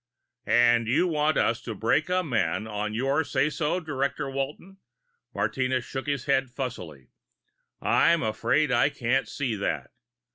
"And you want us to break a man on your say so, Director Walton?" Martinez shook his head fussily. "I'm afraid I can't see that.